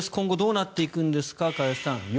今後、どうなっていくんですか加谷さん。